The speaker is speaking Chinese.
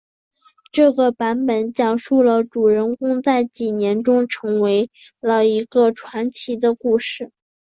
这个版本讲述了主人公在几年中成为了一个传奇的故事。